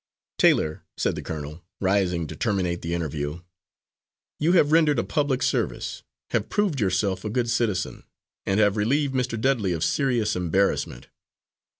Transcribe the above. "Taylor," said the colonel, rising to terminate the interview, "you have rendered a public service, have proved yourself a good citizen, and have relieved Mr. Dudley of serious embarrassment.